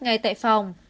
ngay tại phòng